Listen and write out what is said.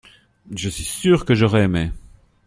Je suis sûr que j’aurais aimé.